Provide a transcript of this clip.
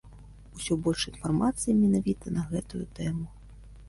Усё больш інфармацыі менавіта на гэтую тэму.